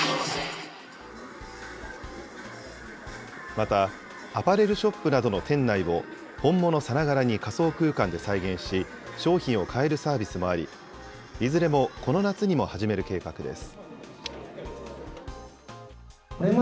また、アパレルショップなどの店内を本物さながらに仮想空間で再現し、商品を買えるサービスもあり、いずれもこの夏にも始める計画です。